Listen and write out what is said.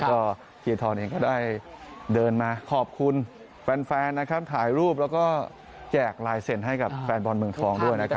ก็เทียทรเองก็ได้เดินมาขอบคุณแฟนนะครับถ่ายรูปแล้วก็แจกลายเซ็นต์ให้กับแฟนบอลเมืองทองด้วยนะครับ